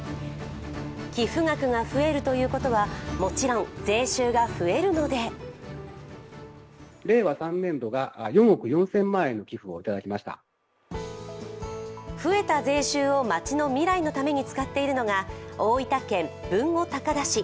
寄付額が増えるということはもちろん税収が増えるので増えた税収を町の未来のために使っているのが大分県豊後高田市。